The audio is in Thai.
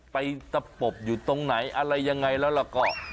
ไปตะปบอยู่ตรงไหนอะไรอย่างไรแล้วล่ะก็